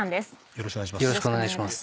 よろしくお願いします。